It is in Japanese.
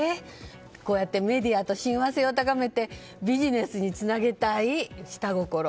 こうやってメディアと親和性を高めてビジネスにつなげたい下心？